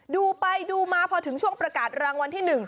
ดูไปดูมาพอถึงช่วงประกาศรางวัลที่๑